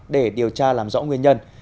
để điều tra làm rõ nguyên nhân